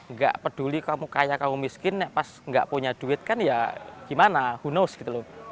nggak peduli kamu kayak kamu miskin pas nggak punya duit kan ya gimana hunos gitu loh